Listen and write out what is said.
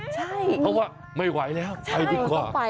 เพราะว่าไม่ไหวแล้วไปดีกว่า